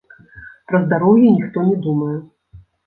Пра здароўе ніхто не думае!